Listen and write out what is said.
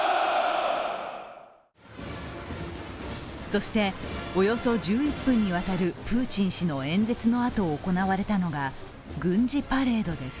そして、およそ１１分にわたるプーチン氏の演説のあとに行われたのが軍事パレードです。